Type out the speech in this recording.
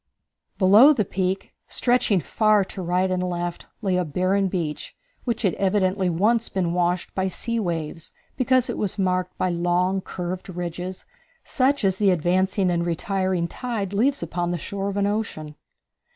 Below the peak, stretching far to right and left, lay a barren beach which had evidently once been washed by sea waves, because it was marked by long curved ridges such as the advancing and retiring tide leaves upon the shore of the ocean.